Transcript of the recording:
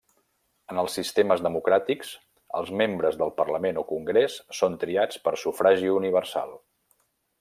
En els sistemes democràtics els membres del parlament o congrés són triats per sufragi universal.